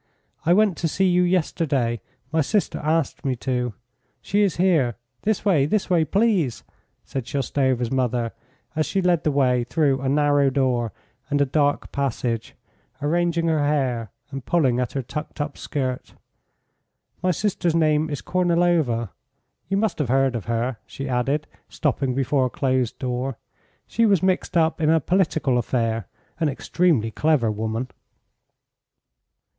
"I went to see you yesterday. My sister asked me to. She is here. This way, this way, please," said Shoustova's mother, as she led the way through a narrow door, and a dark passage, arranging her hair and pulling at her tucked up skirt. "My sister's name is Kornilova. You must have heard of her," she added, stopping before a closed door. "She was mixed up in a political affair. An extremely clever woman!"